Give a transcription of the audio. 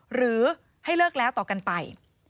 หรือให้เลิกแล้วต่อกันไป